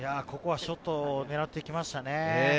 ショットを狙ってきましたね。